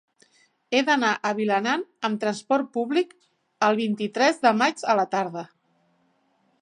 He d'anar a Vilanant amb trasport públic el vint-i-tres de maig a la tarda.